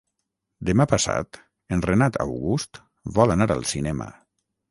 Demà passat en Renat August vol anar al cinema.